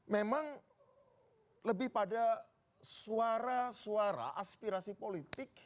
memang lebih pada suara suara aspirasi politik